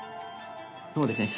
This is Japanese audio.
そうですね